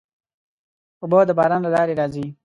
اوبه د باران له لارې راځي.